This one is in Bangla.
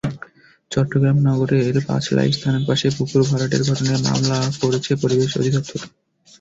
চট্টগ্রাম নগরের পাঁচলাইশ থানার পাশে পুকুর ভরাটের ঘটনায় মামলা করেছে পরিবেশ অধিদপ্তর।